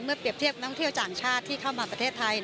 เมื่อเปรียบเทียบต้องเที่ยวจางชาติที่เข้ามาประเทศไทย